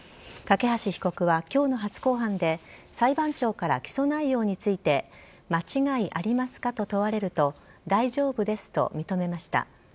梯被告は今日の初公判で裁判長から起訴内容について間違いありますかと問われると大丈夫ですと認めました。